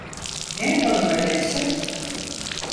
Ne yapalım öyleyse…